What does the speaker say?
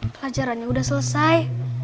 pelajarannya udah selesai